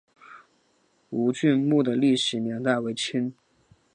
吴郡墓的历史年代为清。